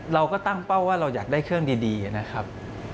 เราก็ตั้งเป้าว่าเราอยากได้เครื่องดีนะครับ